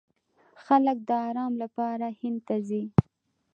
خلک د ارام لپاره هند ته ځي.